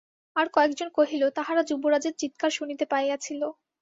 আর-কয়েকজন কহিল, তাহারা যুবরাজের চীৎকার শুনিতে পাইয়াছিল।